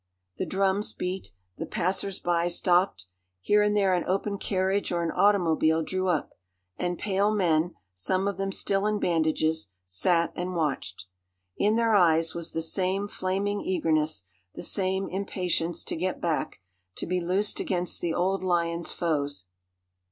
The drums beat. The passers by stopped. Here and there an open carriage or an automobile drew up, and pale men, some of them still in bandages, sat and watched. In their eyes was the same flaming eagerness, the same impatience to get back, to be loosed against the old lion's foes.